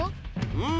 うん。